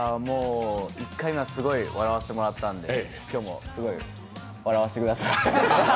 １回目はすごい笑わせてもらったんで、今日もすごい笑わせてください。